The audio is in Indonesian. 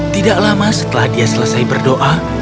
tidak lama setelah dia selesai berdoa